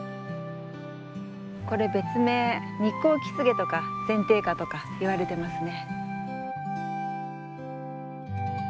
これ別名ニッコウキスゲとかゼンテイカとかいわれてますね。